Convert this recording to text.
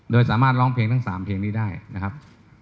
โดยสามารถร้องเพลงทั้ง๓เพลงนี้ได้นะครับ